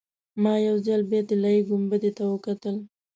ما یو ځل بیا طلایي ګنبدې ته وکتل.